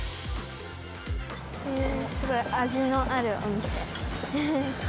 えすごい味のあるお店。